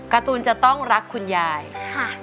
การ์ตูนจะต้องรักคุณยายค่ะ